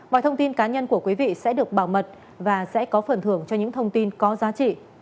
mọi thông tin cá nhân của quý vị sẽ được bảo mật và sẽ có phần thưởng cho những thông tin có giá trị